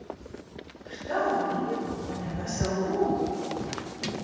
Par tādu nieku paņem veselu rubli!